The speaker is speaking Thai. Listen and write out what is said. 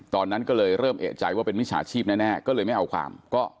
ตอนนั้นก็เลยเริ่มเอกใจว่าเป็นมิจฉาชีพแน่ก็เลยไม่เอาความ